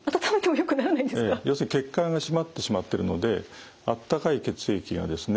要するに血管が締まってしまっているのであったかい血液がですね